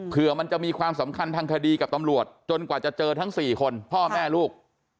เพื่อมันจะมีความสำคัญทางคดีกับตำรวจจนกว่าจะเจอทั้ง๔คนพ่อแม่ลูก